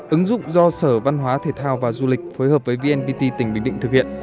ứng dụng do sở văn hóa thể thao và du lịch phối hợp với vnpt tỉnh bình định thực hiện